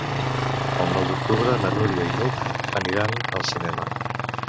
El nou d'octubre na Núria i n'Hug aniran al cinema.